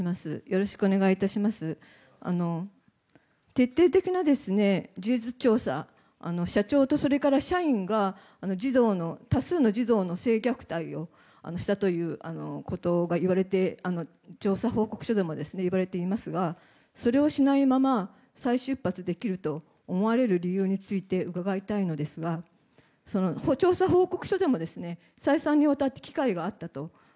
徹底的な事実調査社長とそれから社員が多数の児童の性虐待をしたということが調査報告書でも言われていますがそれをしないまま再出発できると思われる理由について伺いたいのですが調査報告書でも再三にわたって機会があったと。